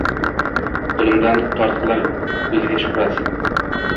Qulimdan tortqilar uziga shuhrat